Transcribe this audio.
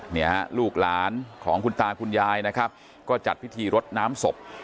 เนี่ยฮะลูกหลานของคุณตาคุณยายนะครับก็จัดพิธีรดน้ำศพ